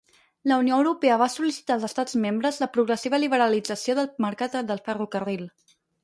La Unió Europea va sol·licitar als estats membres la progressiva liberalització del mercat del ferrocarril.